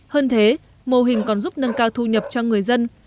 hơn thế mô hình còn giúp nâng cao thu nhập cho người dân